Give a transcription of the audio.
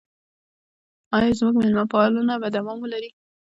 آیا زموږ میلمه پالنه به دوام ولري؟